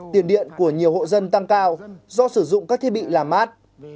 tiền điện của nhiều hộ dân tăng cao do sử dụng các thiết bị làm mát